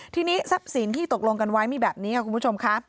ทีนี้ทรัพย์สินที่ตกลงกันไว้มีแบบนี้ค่ะคุณผู้ชมค่ะ